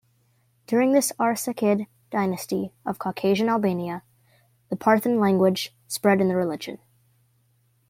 During this Arsacid Dynasty of Caucasian Albania, the Parthian language spread in the region.